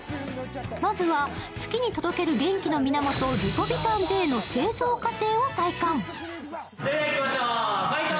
まずは月に届ける元気の源、リポビタンＤの製造過程。